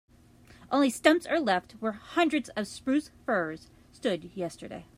Only stumps are left where hundreds of spruce firs stood yesterday.